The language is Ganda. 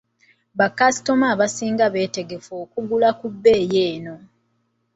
Bakasitoma abasinga beetegefu okugula ku bbeeyi eno?